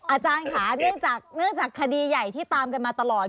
อาจารย์ค่ะเนื่องจากคดีใหญ่ที่ตามกันมาตลอด